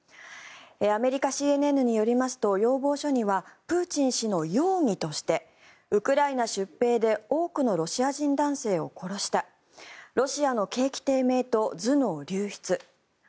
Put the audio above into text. アメリカＣＮＮによりますと要望書にはプーチン氏の容疑としてウクライナ出兵で多くのロシア人男性を殺したロシアの景気低迷と頭脳流出